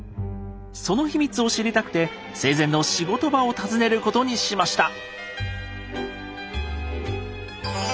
その秘密を知りたくて生前の仕事場を訪ねることにしました。